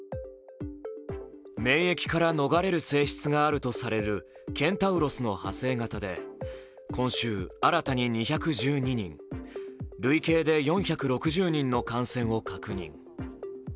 免疫から逃れる性質があるとされるケンタウロスの派生型で今週、新たに２１２人、累計で４６０人の感染を確認。